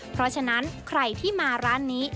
เพราะฉะนั้นใครที่มาร้านนี้